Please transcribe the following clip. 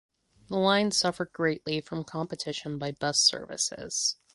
The line suffered greatly from competition by bus services.